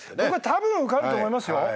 たぶん受かると思いますよ。